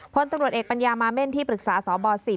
พลตำรวจเอกปัญญามาเม่นที่ปรึกษาสบ๑๐